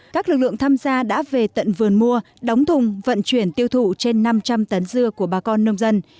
các lực lượng tham gia đã về tận vườn mua đóng thùng vận chuyển tiêu thụ trên năm trăm linh tấn dưa của bà con nông dân